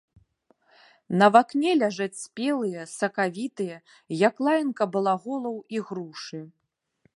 На вакне ляжаць спелыя, сакавітыя, як лаянка балаголаў, ігрушы.